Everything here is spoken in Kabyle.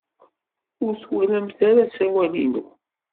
Ur twalamt ara asawal-inu?